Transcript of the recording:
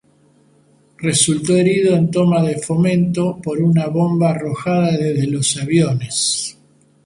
Resultó herido en toma de Fomento por una bomba arrojada desde los aviones.